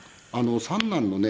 三男のね